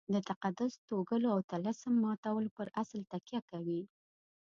د تقدس توږلو او طلسم ماتولو پر اصل تکیه کوي.